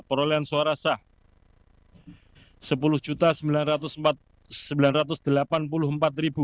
perolehan suara sah sepuluh sembilan ratus empat puluh tiga suara